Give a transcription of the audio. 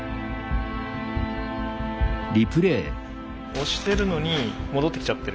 押してるのに戻ってきちゃってる。